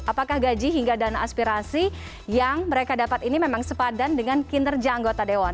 apakah gaji hingga dana aspirasi yang mereka dapat ini memang sepadan dengan kinerja anggota dewan